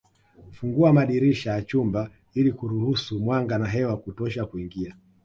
Fungua madirisha ya chumba ili kuruhusu mwanga na hewa ya kutosha kuingia